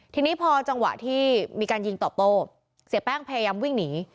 ทีนี้พอจังหวะที่มีการยิงตอบโต้เสียแป้งพยายามวิ่งหนี